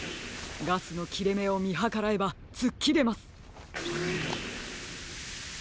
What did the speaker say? ガスのきれめをみはからえばつっきれます。